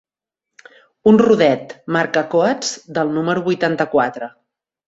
Un rodet, marca Koats, del número vuitanta-quatre.